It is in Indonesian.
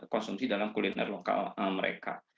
konsumsi dalam kuliner lokal mereka